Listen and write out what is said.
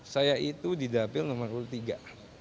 saya itu di dapil nomor urut tiga